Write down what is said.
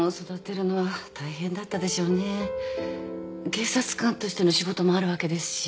警察官としての仕事もあるわけですし。